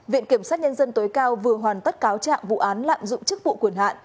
viện kiểm sát nhân dân tối cao vừa hoàn tất cáo trạng vụ án lạm dụng chức vụ quyền hạn